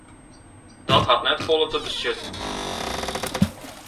Dat hat net folle te betsjutten.